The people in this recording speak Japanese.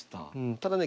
ただね